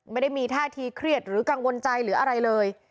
ไม่ได้มีท่าทีเครียดหรือกังวลใจหรืออะไรเลย